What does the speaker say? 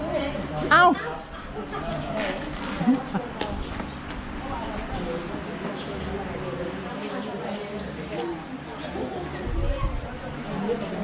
มีที่ได้กินของเจ้าและมีที่ได้กินของอุ่น